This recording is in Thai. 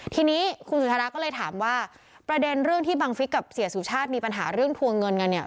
ทีนี้คุณสุธาราก็เลยถามว่าประเด็นเรื่องที่บังฟิศกับเสียสุชาติมีปัญหาเรื่องทวงเงินกันเนี่ย